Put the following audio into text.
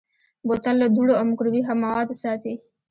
بوتل له دوړو او مکروبي موادو ساتي.